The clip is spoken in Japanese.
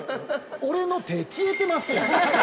俺の手、消えてますやん。